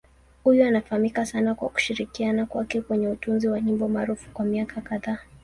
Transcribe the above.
Huyu anafahamika sana kwa kushirikiana kwake kwenye utunzi wa nyimbo maarufu kwa miaka kadhaa.